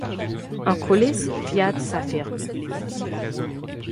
En coulisses, Fiat s'affirme.